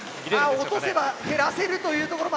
落とせば減らせるというところもありますね。